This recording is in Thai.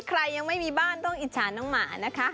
ใครยังไม่มีบ้านต้องอิจฉาน้องหมานะคะ